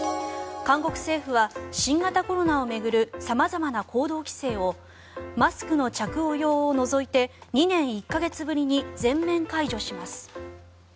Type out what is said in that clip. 韓国政府は新型コロナを巡る様々な行動規制をマスクの着用を除いて２年１か月ぶりに全面解除します。